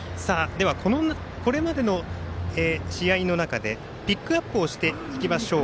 これまでの試合の中でピックアップをしていきましょう。